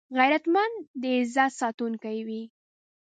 غیرتمند د عزت ساتونکی وي